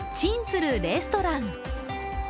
するレストラン。